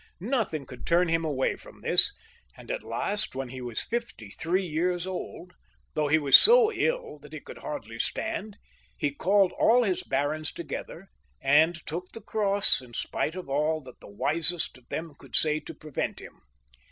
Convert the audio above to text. . Nothing could turn him away from this, and at liast, when he was fifby three years old, though he was so ill that he could hardly stand, he called all his barons together, and took the cross in spite of aU that the wisest of them could say to prevent him.